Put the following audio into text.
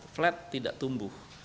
flat tidak tumbuh